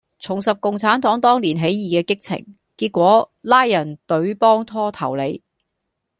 重拾共產黨當年起義既激情，結果拉人隊幫拖投你